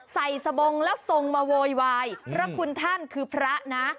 ใส่สบงและสงฆ์มาโวยวายพระคุณท่านคือพระนะ